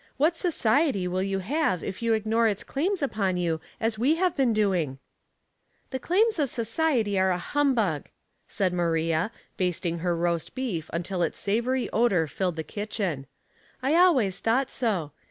What society will you have if you ignore its claims upon you as we have been doing ?" "The claims of society are a humbug," said Maria, basting her roast beef until its savory odor filled the kitchen. *' I always tnougut so.